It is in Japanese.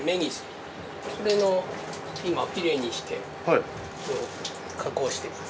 今きれいにして加工しています。